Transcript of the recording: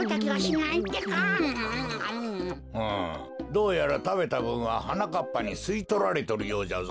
うんどうやらたべたぶんははなかっぱにすいとられとるようじゃぞ。